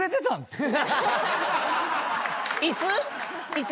「いつ？